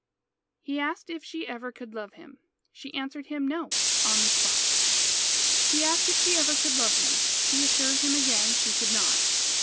He asked if she ever could love him. She answered him, no, on the spot. He asked if she ever could love him. She assured him again she could not.